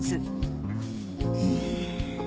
うん。